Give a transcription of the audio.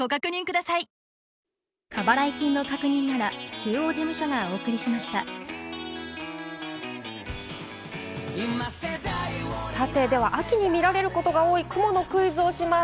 東京はあす、さて、秋に見られることが多い雲のクイズをします。